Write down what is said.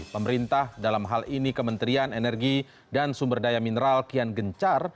pemerintah dalam hal ini kementerian energi dan sumber daya mineral kian gencar